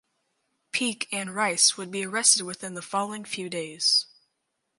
Peak and Rice would be arrested within the following few days.